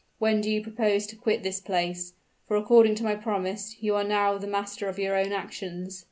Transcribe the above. When do you propose to quit this place? for according to my promise, you are now the master of your own actions."